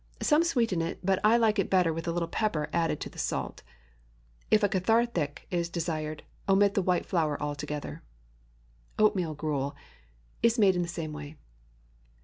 Some sweeten it, but I like it better with a little pepper added to the salt. If a cathartic is desired, omit the wheat flour altogether. OATMEAL GRUEL Is made in the same way.